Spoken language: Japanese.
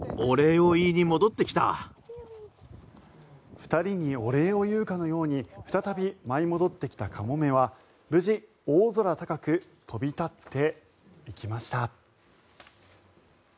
２人にお礼を言うかのように再び舞い戻ってきたカモメは無事、大空高く飛び立っていきました。